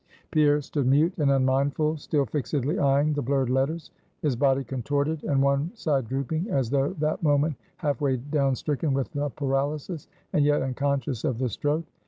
Pierre stood mute and unmindful, still fixedly eying the blurred letters; his body contorted, and one side drooping, as though that moment half way down stricken with a paralysis, and yet unconscious of the stroke.